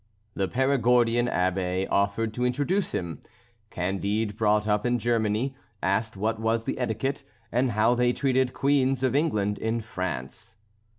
The Perigordian Abbé offered to introduce him. Candide, brought up in Germany, asked what was the etiquette, and how they treated queens of England in France.